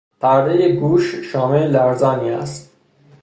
پردهی گوش شامهی لرزانی است.